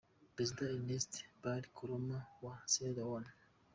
Perezida Ernest Bai Koroma wa Sierra Leone.